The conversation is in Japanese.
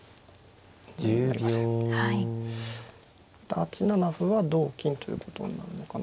８七歩は同金ということになるのかな。